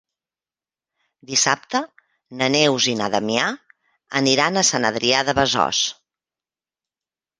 Dissabte na Neus i na Damià aniran a Sant Adrià de Besòs.